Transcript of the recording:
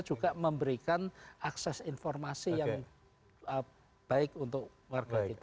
juga memberikan akses informasi yang baik untuk warga kita